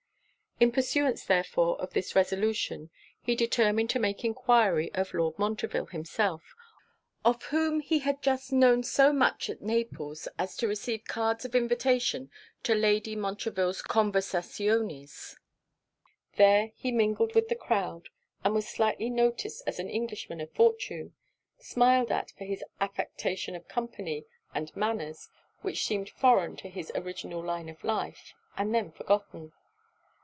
In pursuance therefore of this resolution, he determined to make enquiry of Lord Montreville himself; of whom he had just known so much at Naples as to receive cards of invitation to Lady Montreville's conversationes. There, he mingled with the croud; and was slightly noticed as an Englishman of fortune; smiled at for his affectation of company and manners, which seemed foreign to his original line of life; and then forgotten.